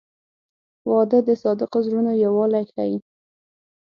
• واده د صادقو زړونو یووالی ښیي.